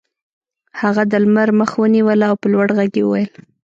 هغه د لمر مخه ونیوله او په لوړ غږ یې وویل